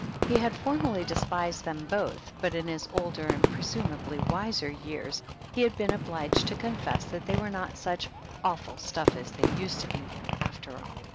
He had formerly despised them both, but in his older and presumably wiser years he had been obliged to confess that they were not such "awful stuff as they used to be," after all.